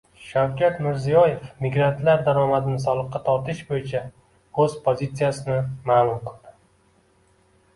Shavkat Mirziyoyev migrantlar daromadini soliqqa tortish bo‘yicha o‘z pozitsiyasini ma’lum qildi